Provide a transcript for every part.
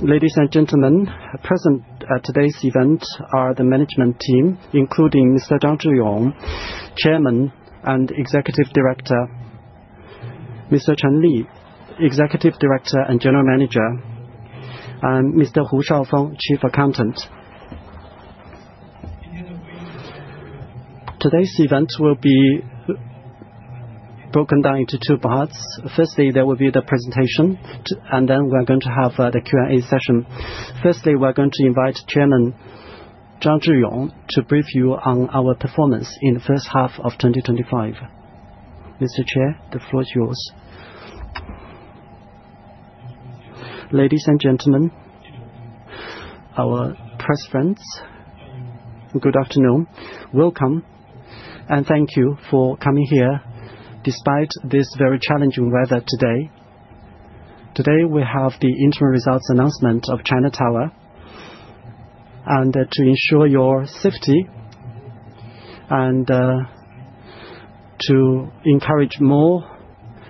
Ladies and gentlemen, present at today's event are the management team, including Mr. Zhang Zhiyong, Chairman and Executive Director, Mr. Chen Lei, Executive Director and General Manager, and Mr. Hu Shaofeng, Chief Accountant. Today's event will be broken down into two parts. Firstly, there will be the presentation, and then we're going to have the Q&A session. Firstly, we're going to invite Chairman Zhang Zhiyong to brief you on our performance in the first half of 2025. Mr. Chair, the floor is yours. Ladies and gentlemen, our press friends, good afternoon. Welcome, and thank you for coming here despite this very challenging weather today. Today we have the interim results announcement of China Tower, and to ensure your safety and to encourage more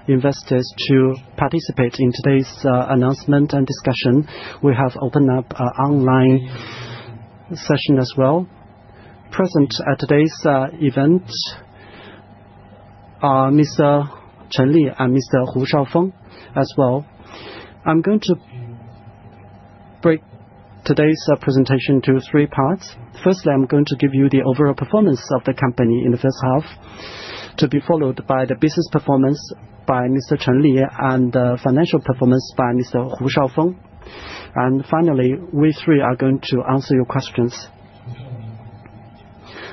investors to participate in today's announcement and discussion, we have opened up an online session as well. Present at today's event are Mr. Chen Lei and Mr. Hu Shaofeng as well. I'm going to break today's presentation into three parts. Firstly, I'm going to give you the overall performance of the company in the first half, to be followed by the business performance by Mr. Chen Lei and the financial performance by Mr. Hu Shaofeng. And finally, we three are going to answer your questions.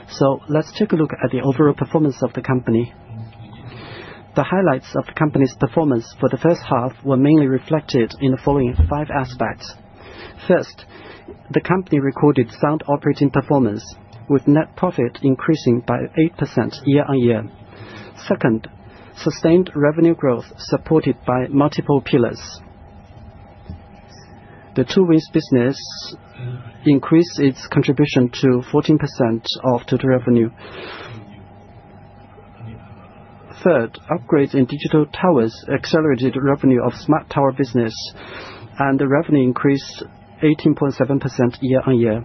So let's take a look at the overall performance of the company. The highlights of the company's performance for the first half were mainly reflected in the following five aspects. First, the company recorded sound operating performance, with net profit increasing by 8% year on year. Second, sustained revenue growth supported by multiple pillars. The Two Wings business increased its contribution to 14% of total revenue. Third, upgrades in digital towers accelerated the revenue of smart tower business, and the revenue increased 18.7% year on year.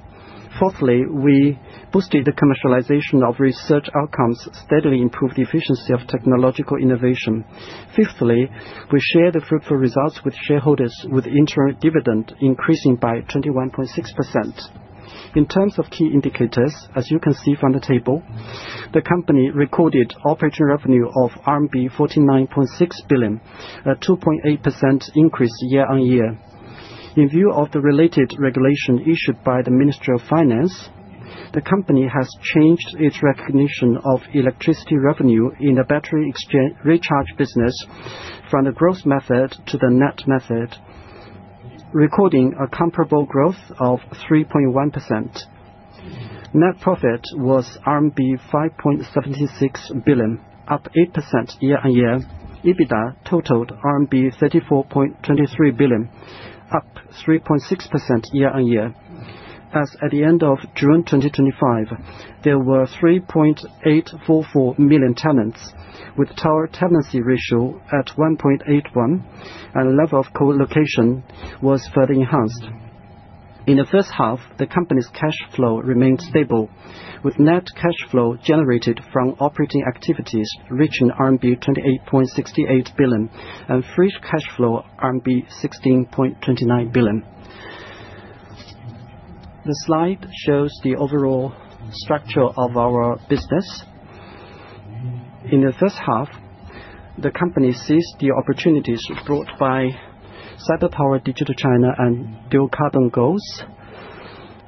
Fourthly, we boosted the commercialization of research outcomes, steadily improved the efficiency of technological innovation. Fifthly, we shared the fruitful results with shareholders, with interim dividend increasing by 21.6%. In terms of key indicators, as you can see from the table, the company recorded operating revenue of RMB 49.6 billion, a 2.8% increase year on year. In view of the related regulation issued by the Ministry of Finance, the company has changed its recognition of electricity revenue in the battery exchange business from the gross method to the net method, recording a comparable growth of 3.1%. Net profit was RMB 5.76 billion, up 8% year on year. EBITDA totaled RMB 34.23 billion, up 3.6% year on year. As at the end of June 2025, there were 3.844 million tenants, with tower tenancy ratio at 1.81, and the level of co-location was further enhanced. In the first half, the company's cash flow remained stable, with net cash flow generated from operating activities reaching RMB 28.68 billion and free cash flow RMB 16.29 billion. The slide shows the overall structure of our business. In the first half, the company seized the opportunities brought by Smart Tower, Digital China, and Dual Carbon goals,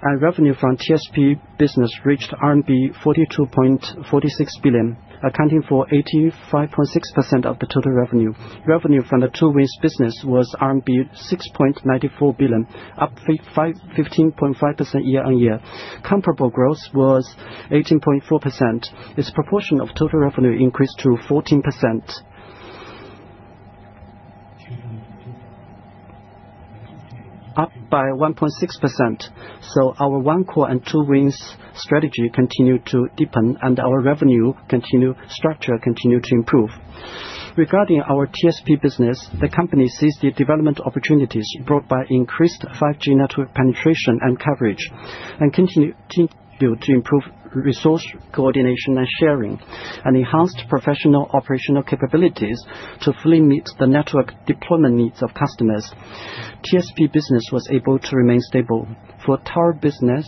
and revenue from TSP business reached RMB 42.46 billion, accounting for 85.6% of the total revenue. Revenue from the Two Wings business was RMB 6.94 billion, up 15.5% year on year. Comparable growth was 18.4%. Its proportion of total revenue increased to 14%, up by 1.6%. So our one core and Two Wings strategy continued to deepen, and our revenue structure continued to improve. Regarding our TSP business, the company seized the development opportunities brought by increased 5G network penetration and coverage, and continued to improve resource coordination and sharing, and enhanced professional operational capabilities to fully meet the network deployment needs of customers. TSP business was able to remain stable. For tower business,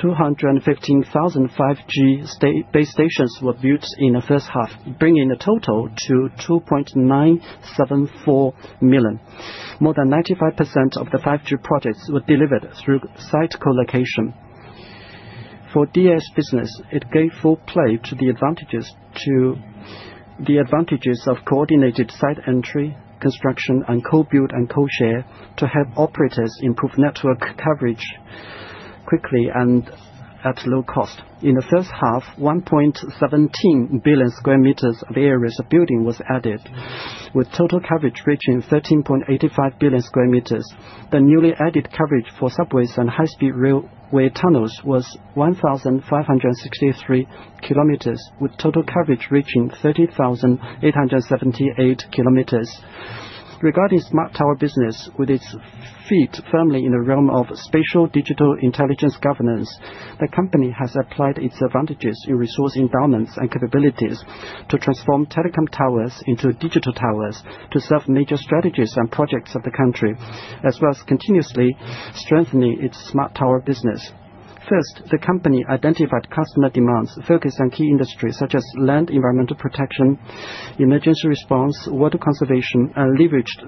215,000 5G base stations were built in the first half, bringing the total to 2.974 million. More than 95% of the 5G projects were delivered through site co-location. For DAS business, it gave full play to the advantages of coordinated site entry, construction, and co-build and co-share to help operators improve network coverage quickly and at low cost. In the first half, 1.17 billion square meters of areas of building was added, with total coverage reaching 13.85 billion square meters. The newly added coverage for subways and high-speed railway tunnels was 1,563 kilometers, with total coverage reaching 30,878 kilometers. Regarding Smart Tower business, with its feet firmly in the realm of spatial digital intelligence governance, the company has applied its advantages in resource endowments and capabilities to transform telecom towers into digital towers to serve major strategies and projects of the country, as well as continuously strengthening its Smart Tower business. First, the company identified customer demands, focused on key industries such as land environmental protection, emergency response, water conservation, and leveraged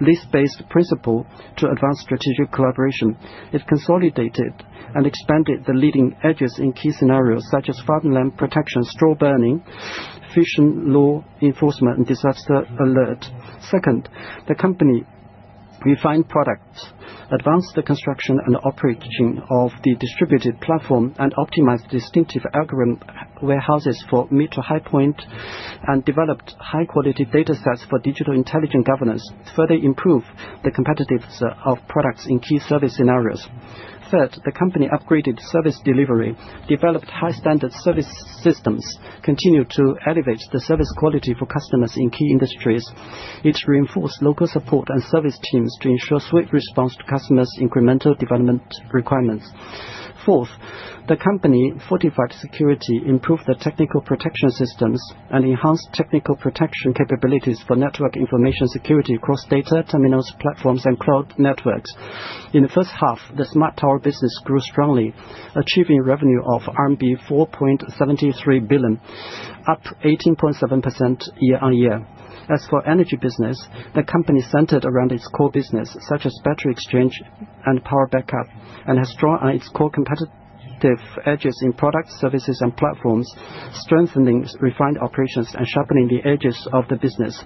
lease-based principle to advance strategic collaboration. It consolidated and expanded the leading edges in key scenarios such as farmland protection, straw burning, fishery law enforcement, and disaster alert. Second, the company refined products, advanced the construction and operation of the distributed platform, and optimized distinctive algorithm warehouses for mid-to-high-end, and developed high-quality data sets for digital intelligence governance, further improving the competitiveness of products in key service scenarios. Third, the company upgraded service delivery, developed high-standard service systems, and continued to elevate the service quality for customers in key industries. It reinforced local support and service teams to ensure swift response to customers' incremental development requirements. Fourth, the company fortified security, improved the technical protection systems, and enhanced technical protection capabilities for network information security across data terminals, platforms, and cloud networks. In the first half, the smart tower business grew strongly, achieving revenue of RMB 4.73 billion, up 18.7% year on year. As for energy business, the company centered around its core business, such as battery exchange and power backup, and has drawn on its core competitive edges in products, services, and platforms, strengthening refined operations and sharpening the edges of the business.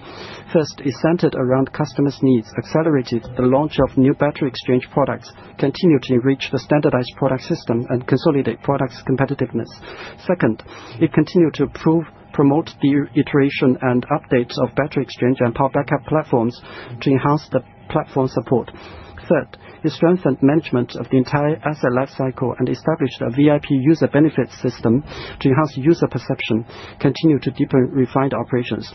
First, it centered around customers' needs, accelerated the launch of new battery exchange products, continued to reach the standardized product system, and consolidate products' competitiveness. Second, it continued to promote the iteration and updates of battery exchange and power backup platforms to enhance the platform support. Third, it strengthened management of the entire asset lifecycle and established a VIP user benefits system to enhance user perception, continued to deepen refined operations.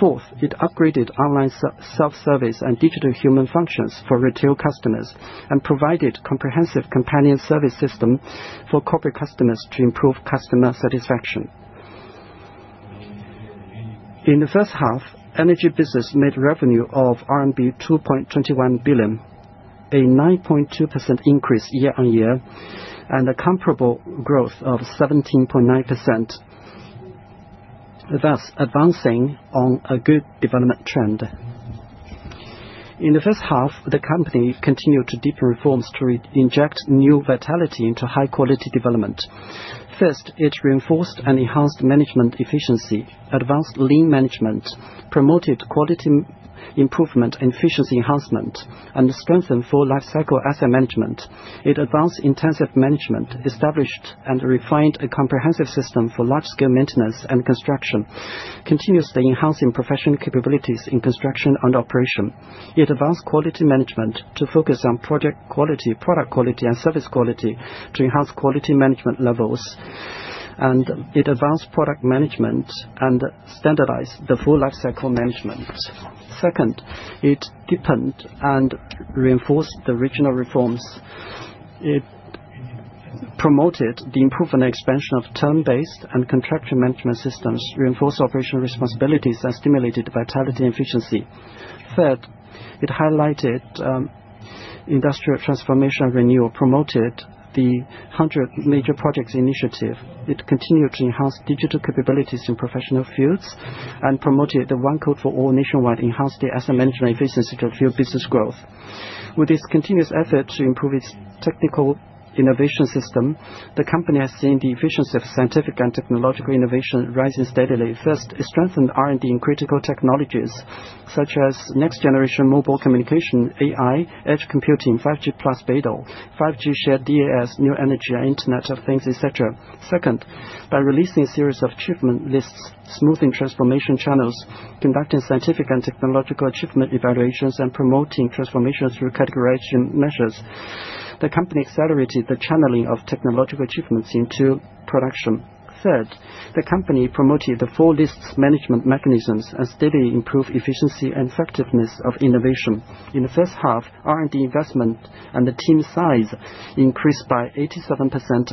Fourth, it upgraded online self-service and digital human functions for retail customers and provided comprehensive companion service system for corporate customers to improve customer satisfaction. In the first half, energy business made revenue of RMB 2.21 billion, a 9.2% increase year on year, and a comparable growth of 17.9%, thus advancing on a good development trend. In the first half, the company continued to deepen reforms to inject new vitality into high-quality development. First, it reinforced and enhanced management efficiency, advanced lean management, promoted quality improvement and efficiency enhancement, and strengthened full lifecycle asset management. It advanced intensive management, established and refined a comprehensive system for large-scale maintenance and construction, continuously enhancing professional capabilities in construction and operation. It advanced quality management to focus on product quality, product quality, and service quality to enhance quality management levels, and it advanced product management and standardized the full lifecycle management. Second, it deepened and reinforced the regional reforms. It promoted the improvement and expansion of term-based and contractual management systems, reinforced operational responsibilities, and stimulated vitality and efficiency. Third, it highlighted industrial transformation renewal, promoted the 100 major projects initiative. It continued to enhance digital capabilities in professional fields and promoted the one-code-for-all nationwide, enhanced the asset management efficiency to fuel business growth. With its continuous effort to improve its technical innovation system, the company has seen the efficiency of scientific and technological innovation rising steadily. First, it strengthened R&D in critical technologies such as next-generation mobile communication, AI, edge computing, 5G plus Beidou, 5G shared DAS, new energy and internet of things, etc. Second, by releasing a series of achievement lists, smoothing transformation channels, conducting scientific and technological achievement evaluations, and promoting transformation through categorization measures, the company accelerated the channeling of technological achievements into production. Third, the company promoted the four lists management mechanisms and steadily improved efficiency and effectiveness of innovation. In the first half, R&D investment and the team size increased by 87%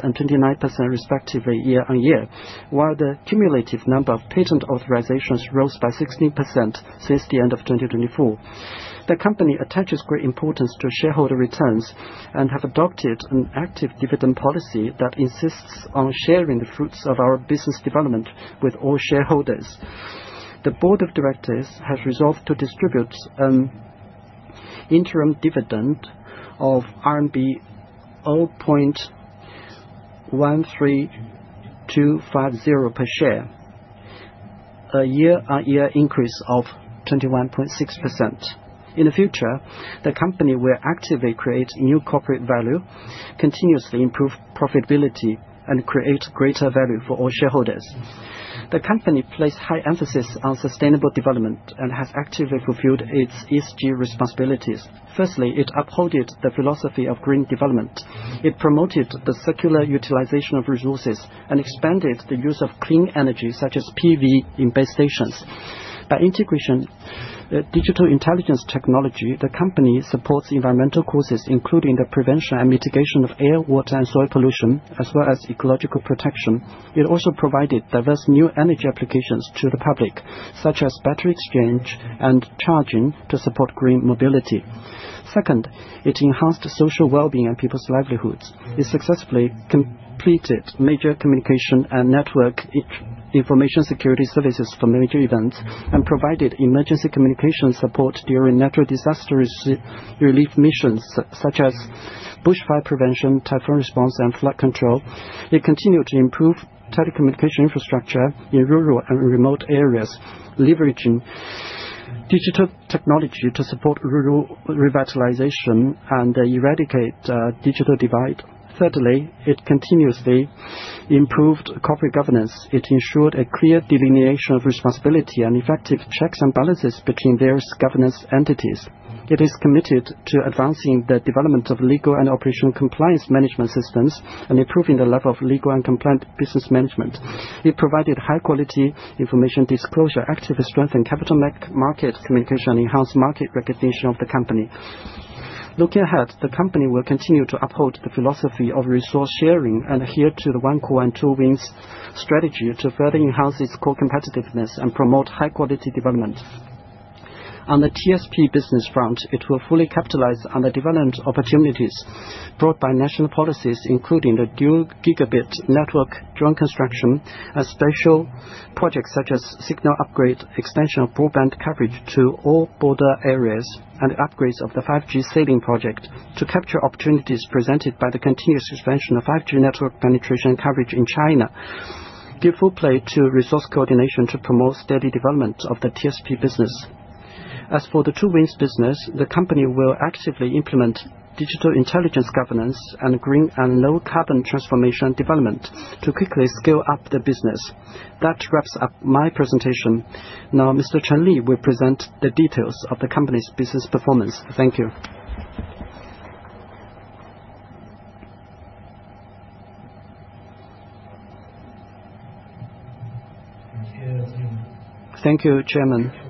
and 29% respectively year on year, while the cumulative number of patent authorizations rose by 16% since the end of 2024. The company attaches great importance to shareholder returns and has adopted an active dividend policy that insists on sharing the fruits of our business development with all shareholders. The board of directors has resolved to distribute an interim dividend of RMB 0.13250 per share, a year-on-year increase of 21.6%. In the future, the company will actively create new corporate value, continuously improve profitability, and create greater value for all shareholders. The company places high emphasis on sustainable development and has actively fulfilled its ESG responsibilities. Firstly, it upheld the philosophy of green development. It promoted the circular utilization of resources and expanded the use of clean energy such as PV in base stations. By integrating digital intelligence technology, the company supports environmental causes, including the prevention and mitigation of air, water, and soil pollution, as well as ecological protection. It also provided diverse new energy applications to the public, such as battery exchange and charging to support green mobility. Second, it enhanced social well-being and people's livelihoods. It successfully completed major communication and network information security services for major events and provided emergency communication support during natural disaster relief missions, such as bushfire prevention, typhoon response, and flood control. It continued to improve telecommunication infrastructure in rural and remote areas, leveraging digital technology to support rural revitalization and eradicate digital divide. Thirdly, it continuously improved corporate governance. It ensured a clear delineation of responsibility and effective checks and balances between various governance entities. It is committed to advancing the development of legal and operational compliance management systems and improving the level of legal and compliant business management. It provided high-quality information disclosure, actively strengthened capital market communication, and enhanced market recognition of the company. Looking ahead, the company will continue to uphold the philosophy of resource sharing and adhere to the one-core and two-wings strategy to further enhance its core competitiveness and promote high-quality development. On the TSP business front, it will fully capitalize on the development opportunities brought by national policies, including the new gigabit network drone construction and spatial projects such as signal upgrade, extension of broadband coverage to all border areas, and upgrades of the 5G sailing project to capture opportunities presented by the continuous expansion of 5G network penetration coverage in China. Give full play to resource coordination to promote steady development of the TSP business. As for the two-wings business, the company will actively implement digital intelligence governance and green and low-carbon transformation development to quickly scale up the business. That wraps up my presentation. Now, Mr. Chen Lei will present the details of the company's business performance. Thank you. Thank you, Chairman.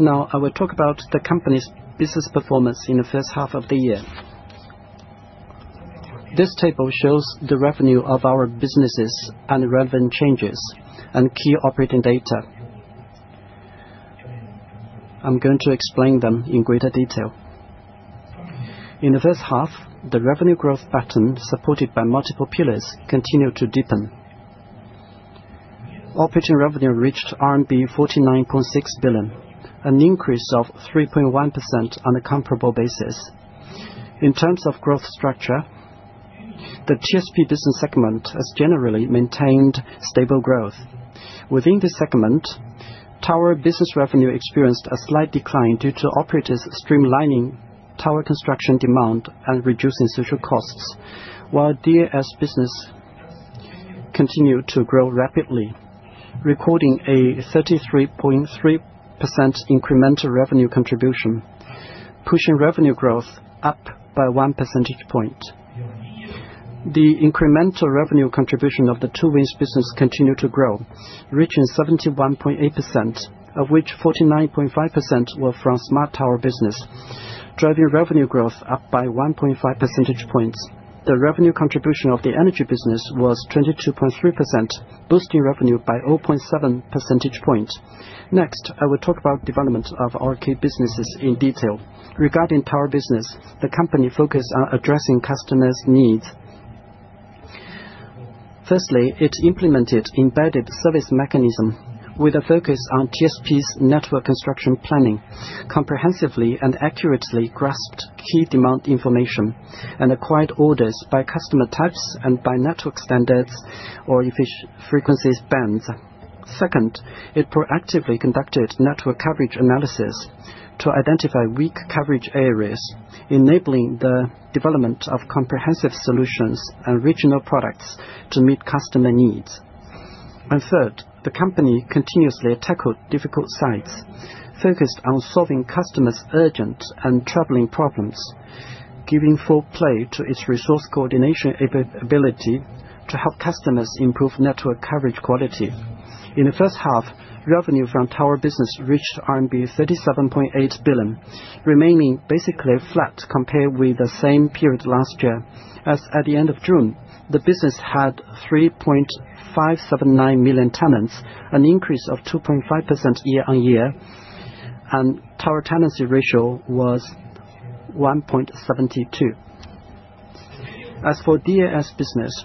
Now, I will talk about the company's business performance in the first half of the year. This table shows the revenue of our businesses and relevant changes and key operating data. I'm going to explain them in greater detail. In the first half, the revenue growth pattern supported by multiple pillars continued to deepen. Operating revenue reached RMB 49.6 billion, an increase of 3.1% on a comparable basis. In terms of growth structure, the TSP business segment has generally maintained stable growth. Within this segment, tower business revenue experienced a slight decline due to operators streamlining tower construction demand and reducing social costs, while DAS business continued to grow rapidly, recording a 33.3% incremental revenue contribution, pushing revenue growth up by one percentage point. The incremental revenue contribution of the Two Wings business continued to grow, reaching 71.8%, of which 49.5% were from Smart Tower business, driving revenue growth up by 1.5 percentage points. The revenue contribution of the Energy business was 22.3%, boosting revenue by 0.7 percentage point. Next, I will talk about the development of our key businesses in detail. Regarding Tower business, the company focused on addressing customers' needs. Firstly, it implemented an embedded service mechanism with a focus on TSP's network construction planning, comprehensively and accurately grasped key demand information and acquired orders by customer types and by network standards or frequency bands. Second, it proactively conducted network coverage analysis to identify weak coverage areas, enabling the development of comprehensive solutions and regional products to meet customer needs. Third, the company continuously tackled difficult sites, focused on solving customers' urgent and troubling problems, giving full play to its resource coordination ability to help customers improve network coverage quality. In the first half, revenue from tower business reached RMB 37.8 billion, remaining basically flat compared with the same period last year. As at the end of June, the business had 3.579 million tenants, an increase of 2.5% year on year, and tower tenancy ratio was 1.72. As for DAS business,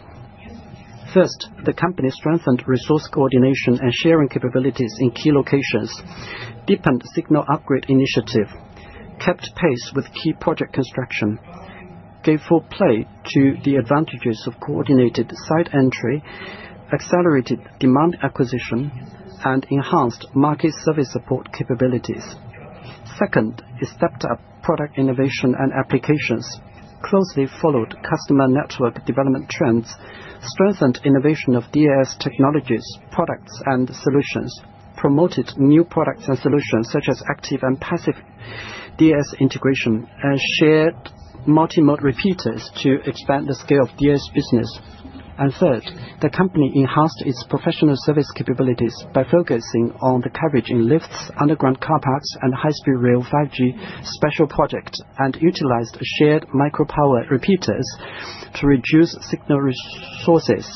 first, the company strengthened resource coordination and sharing capabilities in key locations, deepened signal upgrade initiative, kept pace with key project construction, gave full play to the advantages of coordinated site entry, accelerated demand acquisition, and enhanced market service support capabilities. Second, it stepped up product innovation and applications, closely followed customer network development trends, strengthened innovation of DAS technologies, products, and solutions, promoted new products and solutions such as active and passive DAS integration, and shared multimode repeaters to expand the scale of DAS business. And third, the company enhanced its professional service capabilities by focusing on the coverage in lifts, underground car parks, and high-speed rail 5G special project, and utilized shared micropower repeaters to reduce signal resources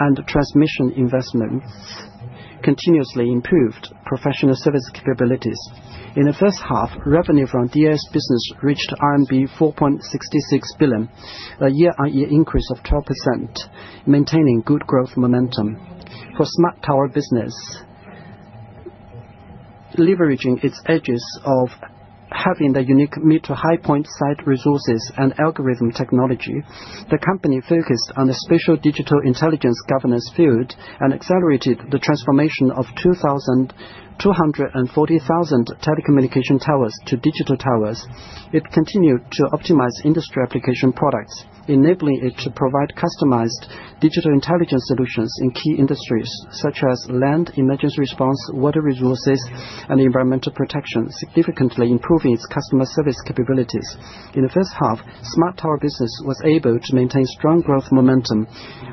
and transmission investment, continuously improved professional service capabilities. In the first half, revenue from DAS business reached RMB 4.66 billion, a year-on-year increase of 12%, maintaining good growth momentum. For smart tower business, leveraging its edges of having the unique mid-to-high-point site resources and algorithm technology, the company focused on the spatial digital intelligence governance field and accelerated the transformation of 2,240,000 telecommunications towers to digital towers. It continued to optimize industry application products, enabling it to provide customized digital intelligence solutions in key industries such as land emergency response, water resources, and environmental protection, significantly improving its customer service capabilities. In the first half, Smart Tower business was able to maintain strong growth momentum,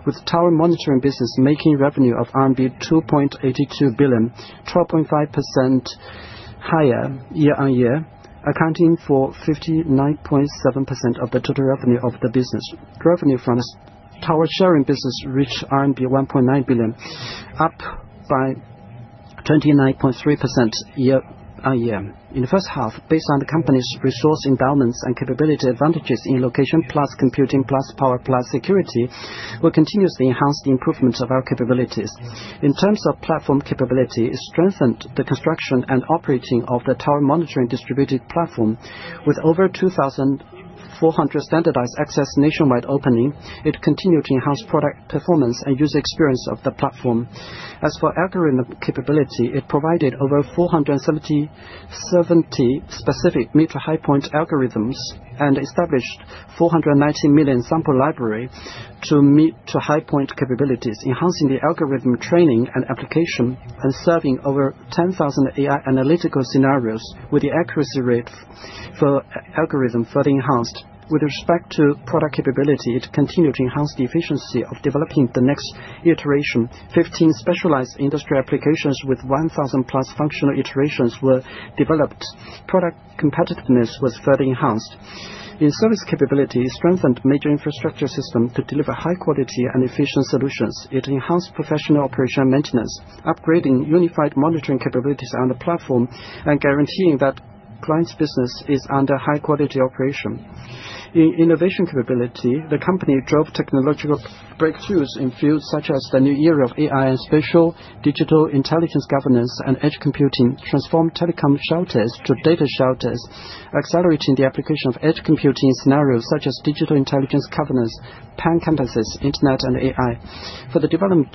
with tower monitoring business making revenue of RMB 2.82 billion, 12.5% higher year-on-year, accounting for 59.7% of the total revenue of the business. Revenue from tower sharing business reached RMB 1.9 billion, up by 29.3% year-on-year. In the first half, based on the company's resource imbalance and capability advantages in location plus computing plus power plus security, we continuously enhanced the improvement of our capabilities. In terms of platform capability, it strengthened the construction and operating of the tower monitoring distributed platform. With over 2,400 standardized access nationwide opening, it continued to enhance product performance and user experience of the platform. As for algorithm capability, it provided over 470 specific mid-to-high-end algorithms and established 490 million sample libraries to mid-to-high-end capabilities, enhancing the algorithm training and application and serving over 10,000 AI analytical scenarios with the accuracy rate for algorithm further enhanced. With respect to product capability, it continued to enhance the efficiency of developing the next iteration. 15 specialized industry applications with 1,000 plus functional iterations were developed. Product competitiveness was further enhanced. In service capability, it strengthened major infrastructure systems to deliver high-quality and efficient solutions. It enhanced professional operation maintenance, upgrading unified monitoring capabilities on the platform and guaranteeing that client's business is under high-quality operation. In innovation capability, the company drove technological breakthroughs in fields such as the new era of AI and spatial digital intelligence governance and edge computing, transformed telecom shelters to data shelters, accelerating the application of edge computing scenarios such as digital intelligence governance, pan-campuses, internet, and AI. For the development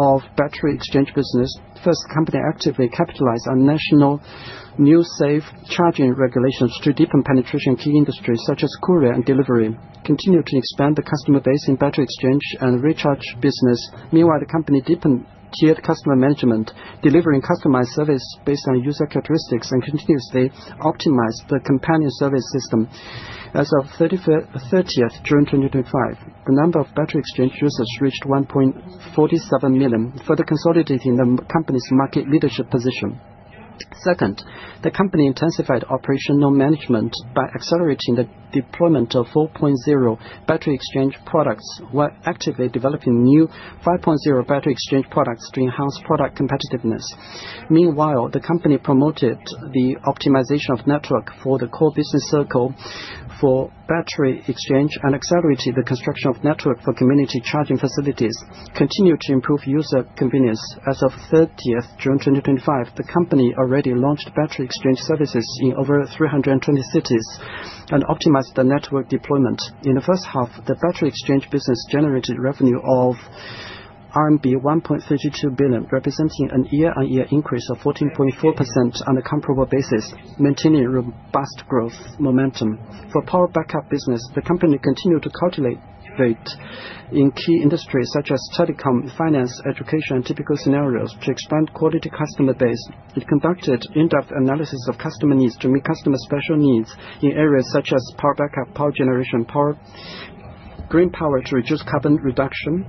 of battery exchange business, first, the company actively capitalized on national new safe charging regulations to deepen penetration in key industries such as courier and delivery. Continued to expand the customer base in battery exchange and recharge business. Meanwhile, the company deepened tiered customer management, delivering customized service based on user characteristics and continuously optimized the companion service system. As of 30th June 2025, the number of battery exchange users reached 1.47 million, further consolidating the company's market leadership position. Second, the company intensified operational management by accelerating the deployment of 4.0 battery exchange products while actively developing new 5.0 battery exchange products to enhance product competitiveness. Meanwhile, the company promoted the optimization of network for the core business circle for battery exchange and accelerated the construction of network for community charging facilities, continued to improve user convenience. As of 30th June 2025, the company already launched battery exchange services in over 320 cities and optimized the network deployment. In the first half, the battery exchange business generated revenue of RMB 1.32 billion, representing a year-on-year increase of 14.4% on a comparable basis, maintaining robust growth momentum. For power backup business, the company continued to cultivate in key industries such as telecom, finance, education, and typical scenarios to expand quality customer base. It conducted in-depth analysis of customer needs to meet customer special needs in areas such as power backup, power generation, power, green power to reduce carbon reduction,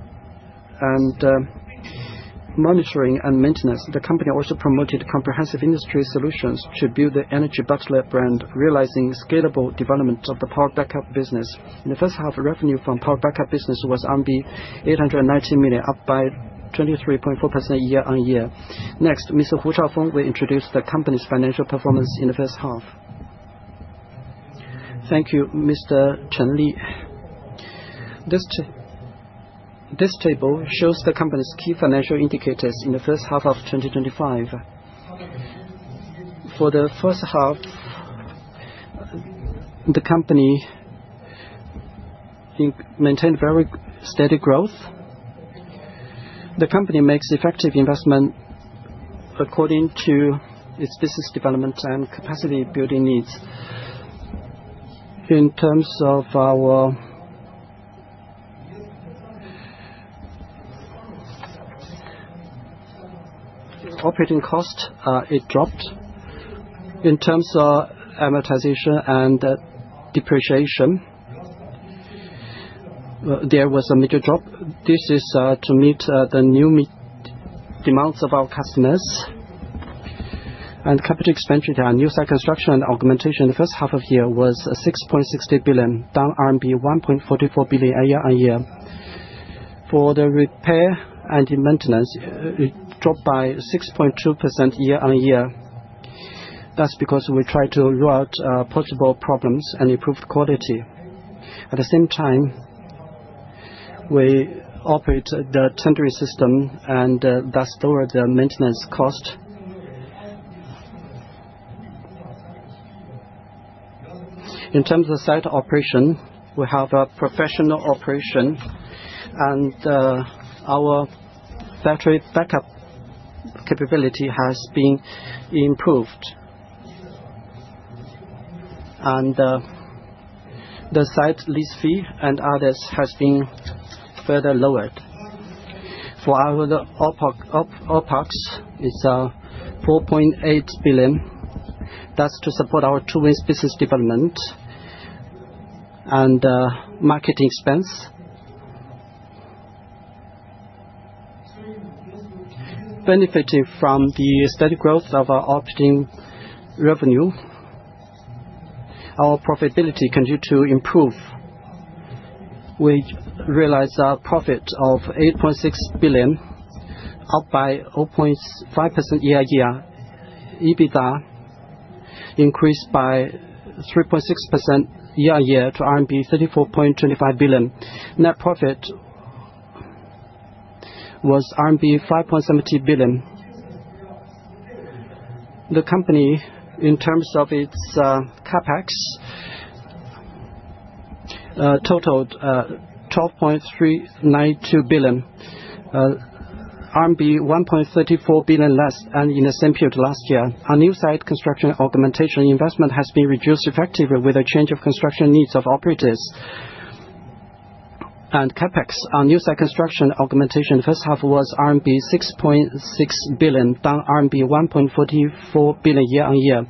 and monitoring and maintenance. The company also promoted comprehensive industry solutions to build the Energy Butler brand, realizing scalable development of the power backup business. In the first half, revenue from power backup business was 890 million, up by 23.4% year-on-year. Next, Mr. Hu Shaofeng will introduce the company's financial performance in the first half. Thank you, Mr. Chen Lei. This table shows the company's key financial indicators in the first half of 2025. For the first half, the company maintained very steady growth. The company makes effective investment according to its business development and capacity building needs. In terms of our operating cost, it dropped. In terms of amortization and depreciation, there was a major drop. This is to meet the new demands of our customers. Capital expenditure on new site construction and augmentation in the first half of year was 6.60 billion, down RMB 1.44 billion year-on-year. For the repair and maintenance, it dropped by 6.2% year-on-year. That's because we tried to rule out possible problems and improve quality. At the same time, we operate the tendering system and thus lower the maintenance cost. In terms of site operation, we have a professional operation, and our battery backup capability has been improved. The site lease fee and others have been further lowered. For our Opex, it's 4.8 billion. That's to support our two-wings business development and marketing expense. Benefiting from the steady growth of our operating revenue, our profitability continued to improve. We realized a profit of 8.6 billion, up by 0.5% year-on-year. EBITDA increased by 3.6% year-on-year to RMB 34.25 billion. Net profit was RMB 5.70 billion. The company, in terms of its CapEx, totaled 12.392 billion, RMB 1.34 billion less than in the same period last year. Our new site construction augmentation investment has been reduced effectively with a change of construction needs of operators and CapEx. Our new site construction augmentation first half was RMB 6.6 billion, down RMB 1.44 billion year-on-year.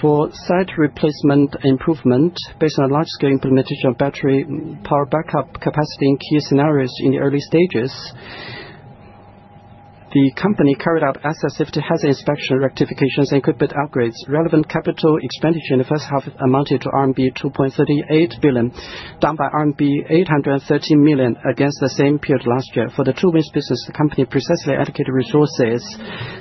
For site replacement improvement, based on large-scale implementation of battery power backup capacity in key scenarios in the early stages, the company carried out asset safety hazard inspection rectifications and equipment upgrades. Relevant capital expenditure in the first half amounted to RMB 2.38 billion, down by RMB 813 million against the same period last year. For the Two Wings business, the company precisely allocated resources.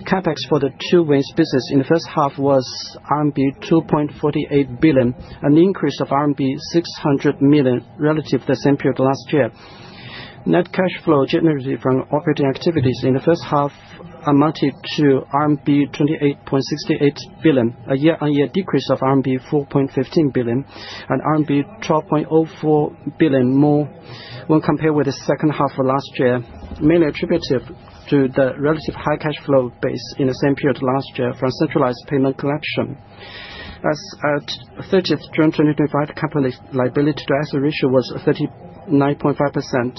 CapEx for the Two Wings business in the first half was RMB 2.48 billion, an increase of RMB 600 million relative to the same period last year. Net cash flow generated from operating activities in the first half amounted to RMB 28.68 billion, a year-on-year decrease of RMB 4.15 billion, and RMB 12.04 billion more when compared with the second half of last year, mainly attributable to the relatively high cash flow base in the same period last year from centralized payment collection. As of 30th June 2025, the company's liability-to-asset ratio was 39.5%.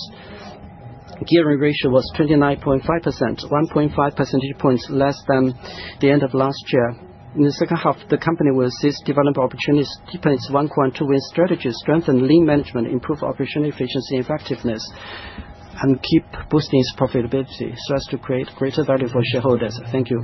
Gearing ratio was 29.5%, 1.5 percentage points less than the end of last year. In the second half, the company will seize development opportunities, deepen its One Core and Two Wings way strategy, strengthen lean management, improve operational efficiency and effectiveness, and keep boosting its profitability so as to create greater value for shareholders. Thank you.